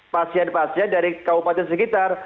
pasien pasien dari kabupaten sekitar